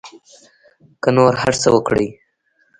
که نور هر څه وکري.